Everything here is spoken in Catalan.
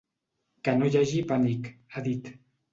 Que no hi hagi pànic, ha dit.